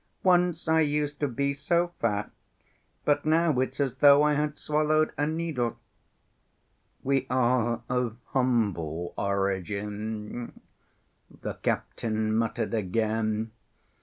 Once I used to be so fat, but now it's as though I had swallowed a needle." "We are of humble origin," the captain muttered again.